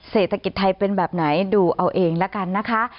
เศรษฐกิจไทยเป็นแบบไหนดูเอาเองละกันนะคะ